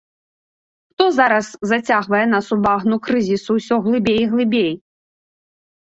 Хто зараз зацягвае нас у багну крызісу ўсё глыбей і глыбей?